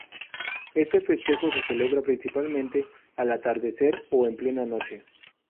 Este festejo se celebra principalmente al atardecer o en plena noche.